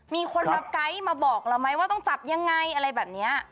มีคนมาไกด์มาบอกเราไหมว่าต้องจับยังไงอะไรแบบนี้